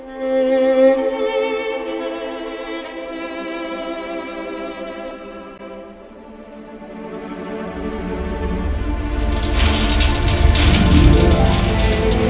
maksudmu sekarang mau di sini ya pak